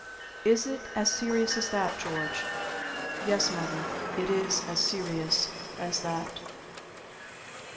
"Is it as serious as that, George?" "Yes, mother, it is as serious as that."